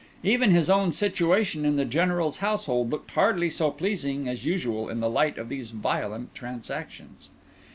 Even his own situation in the General's household looked hardly so pleasing as usual in the light of these violent transactions.